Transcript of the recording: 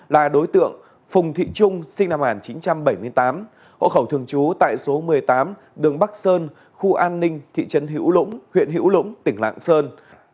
là đối tượng phùng thị trung sinh năm một nghìn chín trăm bảy mươi tám hộ khẩu thường trú tại số một mươi tám đường bắc sơn khu an ninh thị trấn hữu lũng huyện hữu lũng tỉnh lạng sơn